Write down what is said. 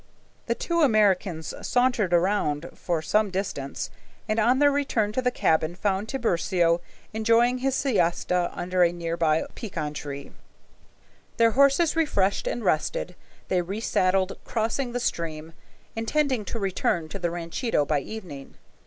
The two Americans sauntered around for some distance, and on their return to the cabin found Tiburcio enjoying his siesta under a near by pecan tree. Their horses refreshed and rested, they resaddled, crossing the stream, intending to return to the ranchito by evening.